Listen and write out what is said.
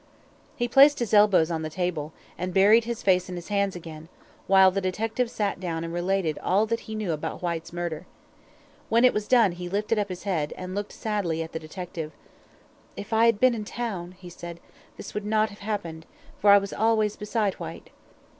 He placed his elbows on the table, and buried his face in his hands again, while the detective sat down and related all that he knew about Whyte's murder. When it was done he lifted up his head, and looked sadly at the detective. "If I had been in town," he said, "this would not have happened, for I was always beside Whyte."